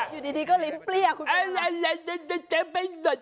อยู่ดีก็ลิ้นเปรี้ยคุณ